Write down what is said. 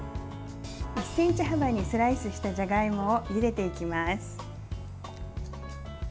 １ｃｍ幅にスライスしたじゃがいもを、ゆでていきます。